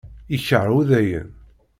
Yekreh Udayen.